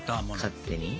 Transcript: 勝手に。